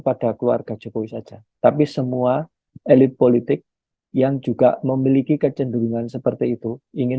pada keluarga jokowi saja tapi semua elit politik yang juga memiliki kecenderungan seperti itu ingin